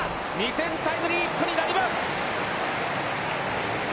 ２点タイムリーヒットになります。